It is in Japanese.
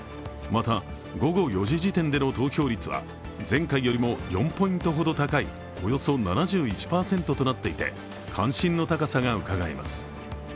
また、午後４時時点での投票率は前回よりも４ポイントほど高いおよそ７１％となっていて関心の高さがうかがえます。